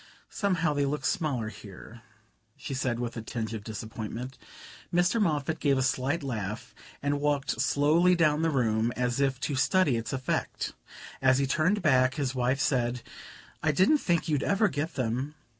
"Somehow they look smaller here," she said with a tinge of disappointment. Mr. Moffatt gave a slight laugh and walked slowly down the room, as if to study its effect. As he turned back his wife said: "I didn't think you'd ever get them."